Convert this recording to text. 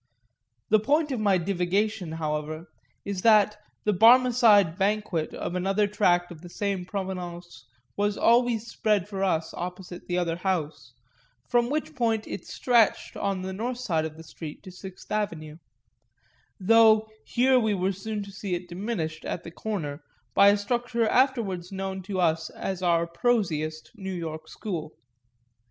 The point of my divagation, however, is that the Barmecide banquet of another tract of the same provenance was always spread for us opposite the other house, from which point it stretched, on the north side of the street, to Sixth Avenue; though here we were soon to see it diminished at the corner by a structure afterwards known to us as our prosiest New York school.